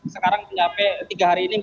sekarang sampai tiga hari ini empat puluh empat